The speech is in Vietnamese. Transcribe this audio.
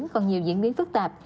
còn nhiều diễn biến phức tạp